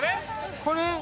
これ？